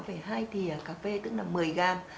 về hai thịa cà phê tức là một mươi gram